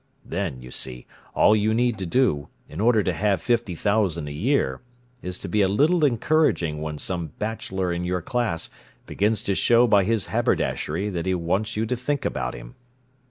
Then, you see, all you need to do, in order to have fifty thousand a year, is to be a little encouraging when some bachelor in your class begins to show by his haberdashery what he wants you to think about him!"